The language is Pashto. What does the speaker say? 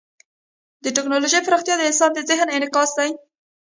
د ټیکنالوژۍ پراختیا د انسان د ذهن انعکاس دی.